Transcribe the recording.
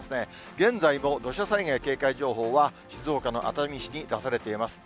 現在も土砂災害警戒情報は、静岡の熱海市に出されています。